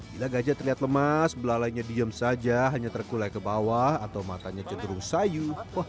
bila gajah terlihat lemas belalainya diem saja hanya terkulai ke bawah atau matanya cenderung sayu